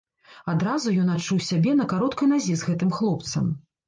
Адразу ён адчуў сябе на кароткай назе з гэтым хлопцам.